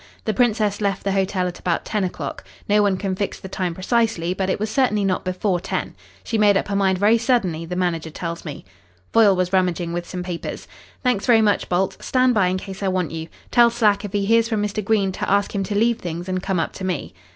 The Princess left the hotel at about ten o'clock. No one can fix the time precisely, but it was certainly not before ten. She made up her mind very suddenly, the manager tells me." Foyle was rummaging with some papers. "Thanks very much, Bolt. Stand by in case I want you. Tell Slack if he hears from Mr. Green to ask him to leave things and come up to me."